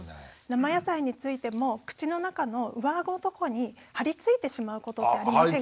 生野菜についても口の中の上顎のとこに張り付いてしまうことってありませんか？